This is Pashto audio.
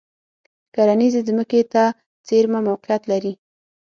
کرنیزې ځمکې ته څېرمه موقعیت لري.